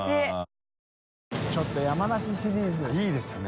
ちょっと山梨シリーズ。いいですね。